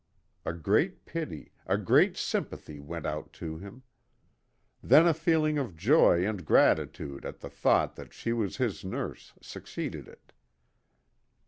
A great pity, a great sympathy, went out to him. Then a feeling of joy and gratitude at the thought that she was his nurse succeeded it.